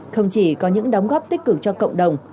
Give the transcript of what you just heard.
không chỉ có những đóng góp tích cực cho cộng đồng